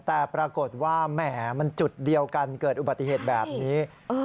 แต่ปรากฏว่าแหมมันจุดเดียวกันเกิดอุบัติเหตุแบบนี้